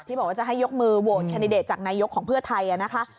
บอกว่าจะให้ยกมือโหวตแคนดิเดตจากนายกของเพื่อไทยนะคะ